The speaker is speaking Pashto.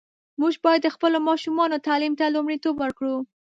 موږ باید د خپلو ماشومانو تعلیم ته لومړیتوب ورکړو.